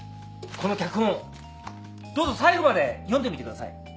この脚本どうぞ最後まで読んでみてください。